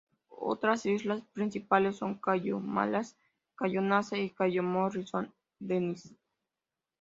Otras islas principales son "Cayo Maras", "Cayo Nasa" y "Cayo Morrison Denis".